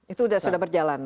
itu sudah berjalan